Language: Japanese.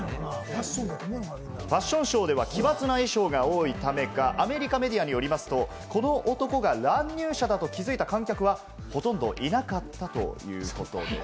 ファッションショーでは奇抜な衣装が多いためか、アメリカメディアによりますと、この男が乱入者だと気付いた観客はほとんどいなかったということです。